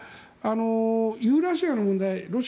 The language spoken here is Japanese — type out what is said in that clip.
ユーラシアの問題。